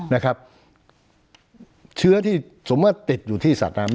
นะครับเชื้อที่สมมุติติดอยู่ที่สระน้ำ